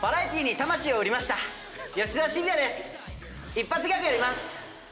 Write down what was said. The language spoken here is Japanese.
一発ギャグやります。